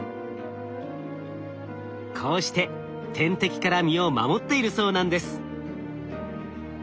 こうして天敵から身を守っているそうなんです。